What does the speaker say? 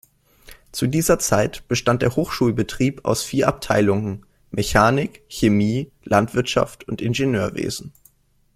Zu dieser Zeit bestand der Hochschulbetrieb aus vier Abteilungen: Mechanik, Chemie, Landwirtschaft und Ingenieurwesen.